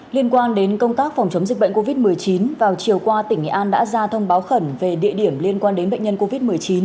liên quan đến công tác phòng chống dịch bệnh covid một mươi chín vào chiều qua tỉnh nghệ an đã ra thông báo khẩn về địa điểm liên quan đến bệnh nhân covid một mươi chín